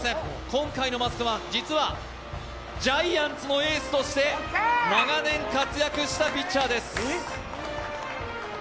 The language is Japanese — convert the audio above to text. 今回のマスクマン、実は、ジャイアンツのエースとして長年活躍したピッチャーです。